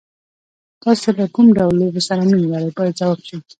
تاسو له کوم ډول لوبو سره مینه لرئ باید ځواب شي.